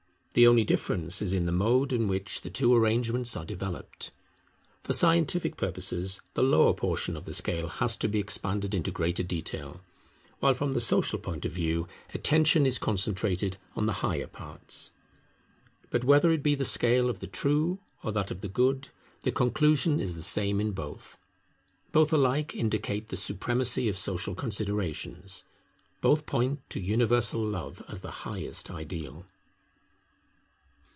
The only difference is in the mode in which the two arrangements are developed. For scientific purposes the lower portion of the scale has to be expanded into greater detail; while from the social point of view attention is concentrated on the higher parts. But whether it be the scale of the True or that of the Good, the conclusion is the same in both. Both alike indicate the supremacy of social considerations; both point to universal Love as the highest ideal.